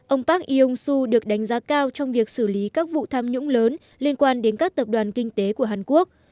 ông park iuung su được đánh giá cao trong việc xử lý các vụ tham nhũng lớn liên quan đến các tập đoàn kinh tế của hàn quốc